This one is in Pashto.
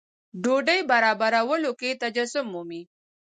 ډوډۍ برابرولو کې تجسم مومي.